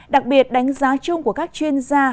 đặc biệt đánh giá chung của các chuyên gia